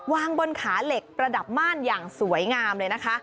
วางบนขาเหล็กประดับม่านอย่างสวยงามเลยนะคะ